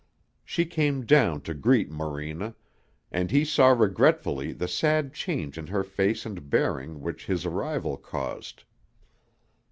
She came down to greet Morena, and he saw regretfully the sad change in her face and bearing which his arrival caused.